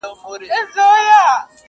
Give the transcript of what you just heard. یو یار دي زه یم نور دي څو نیولي دینه،